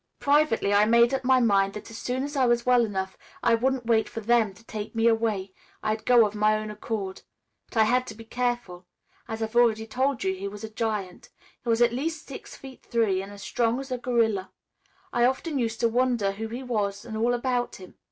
"Privately I made up my mind that as soon as I was well enough I wouldn't wait for 'them' to 'take me away'; I'd go of my own accord. But I had to be careful. As I've already told you he was a giant. He was at least six feet three and strong as a gorilla. I often used to wonder who he was and all about him.